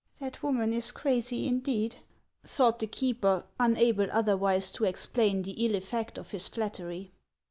"That woman is crazy indeed!" thought the keeper, unable otherwise to explain the ill effect of his flattery.